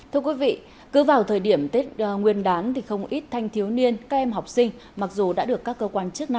thưa quý vị cứ vào thời điểm tết nguyên đán không ít thanh thiếu niên các em học sinh